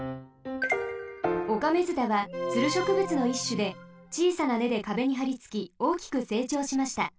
オカメヅタはツルしょくぶつのいっしゅでちいさなねでかべにはりつきおおきくせいちょうしました。